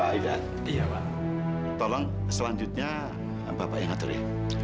pak aida tolong selanjutnya bapak yang atur ya